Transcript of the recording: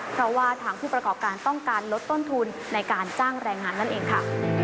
เพราะว่าทางผู้ประกอบการต้องการลดต้นทุนในการจ้างแรงงานนั่นเองค่ะ